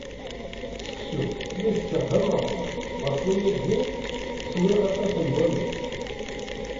Seksu, mi t-ččiɣ d amerɣan, ɣef waya i swiɣ aṭas n waman.